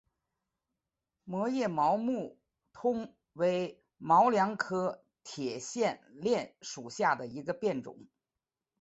膜叶毛木通为毛茛科铁线莲属下的一个变种。